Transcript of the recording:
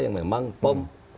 yang memang pem